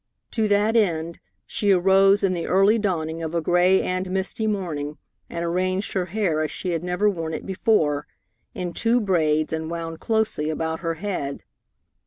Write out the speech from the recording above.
To that end, she arose in the early dawning of a gray and misty morning, and arranged her hair as she had never worn it before, in two braids and wound closely about her head.